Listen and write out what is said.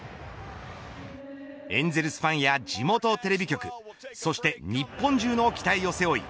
エンゼルスファンや地元テレビ局そして日本中の期待を背負い